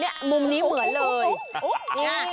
เนี่ยมุมนี้เหมือนเลย